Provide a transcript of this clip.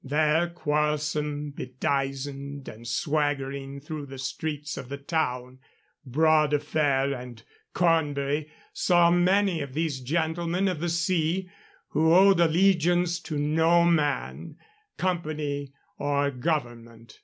There, quarrelsome, bedizened, and swaggering through the streets of the town, Bras de Fer and Cornbury saw many of these gentlemen of the sea, who owed allegiance to no man, company, or government.